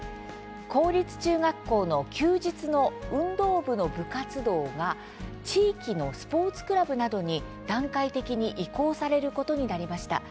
公立中学校の休日の運動部の部活動が地域のスポーツクラブなどに段階的に移行されることになりました。